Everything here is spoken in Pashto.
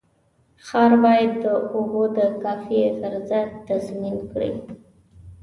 ښار باید د اوبو د کافي عرضه تضمین کړي.